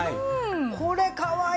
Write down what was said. これかわいくない？